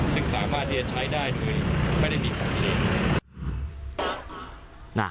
ซึ่งสามารถที่จะใช้ได้โดยไม่ได้มีของจริง